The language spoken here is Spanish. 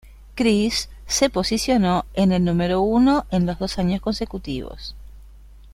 Criss se posicionó en el número uno en los dos años consecutivos.